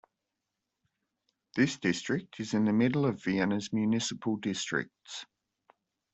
This district is in the middle of Vienna's municipal districts.